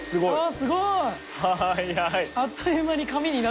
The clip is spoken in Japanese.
すごいな。